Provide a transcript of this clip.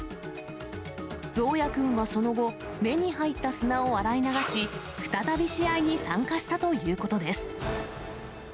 ゾーヤ君はその後、目に入った砂を洗い流し、再び試合に参加したということです。